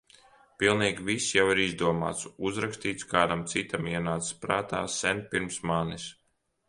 Pilnīgi viss jau ir izdomāts, uzrakstīts, kādam citam ienācis prātā sen pirms manis.